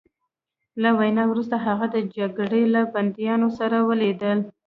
له وینا وروسته هغه د جګړې له بندیانو سره ولیدل